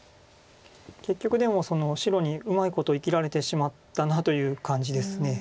結局でも白にうまいこと生きられてしまったなという感じです。